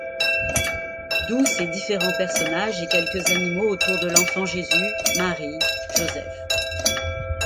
D’où ces différents personnages, et quelques animaux autour de l’enfant Jésus, marie, Joseph.